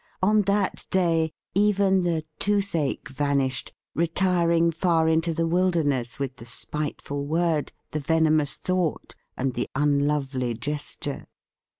On that day even the tooth ache vanished, retiring far in to the wilderness with the spiteful word, the venomous thought, and the unlovely gesture.